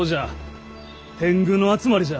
天狗の集まりじゃ。